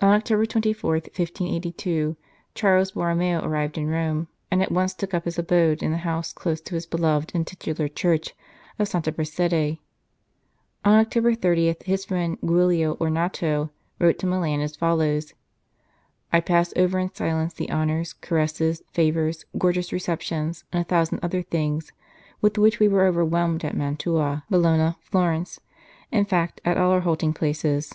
On October 24, 1582, Charles Borromeo arrived in Rome, and at once took up his abode in the house close to his beloved and titular church of Santa Prassede. On October 30 his friend Giulio Ornato wrote to Milan as follows :" I pass over in silence the honours, caresses, favours, gorgeous receptions, and a thousand other things, with which we were overwhelmed at Mantua, Bologna, Florence in fact, at all our halting places.